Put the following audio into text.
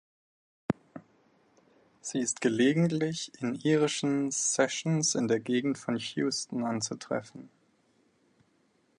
Sie ist gelegentlich in irischen Sessions in der Gegend von Houston anzutreffen.